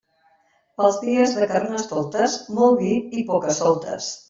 Pels dies de Carnestoltes, molt vi i poca-soltes.